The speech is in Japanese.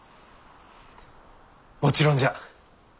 もちろんじゃ。